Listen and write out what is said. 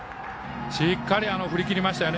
しっかり振り切りましたね。